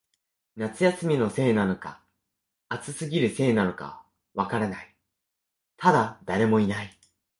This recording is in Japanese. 夏休みのせいなのか、暑すぎるせいなのか、わからない、ただ、誰もいない